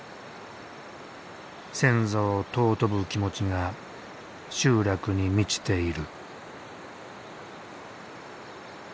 先祖を尊ぶ気持ちが集落に満ちている。